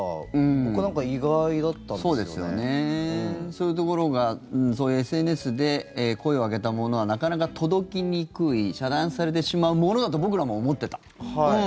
そういうところがＳＮＳで声を上げたものはなかなか届きにくい遮断されてしまうものだと僕らも思ってた。